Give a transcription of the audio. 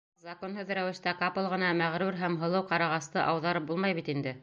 Законһыҙ рәүештә ҡапыл ғына мәғрур һәм һылыу ҡарағасты ауҙарып булмай бит инде.